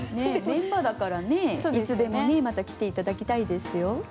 メンバーだからねいつでもまた来て頂きたいですよ。